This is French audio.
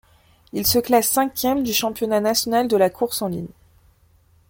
Il se classe cinquième du championnat national de la course en ligne.